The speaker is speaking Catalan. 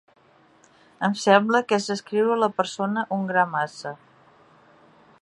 Em sembla que és descriure la persona un gra massa.